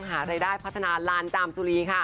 หารายได้พัฒนาลานจามจุรีค่ะ